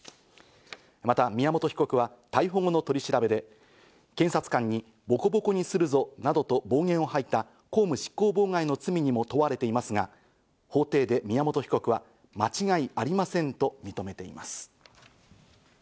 また宮本被告は逮捕後の取り調べで、検察官にボコボコにするぞなどと暴言を吐いた公務執行妨害の罪にも問われていますが、法廷で宮本被告は間違いありませんと認めています。